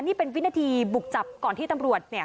นี่เป็นวินาทีบุกจับก่อนที่ตำรวจ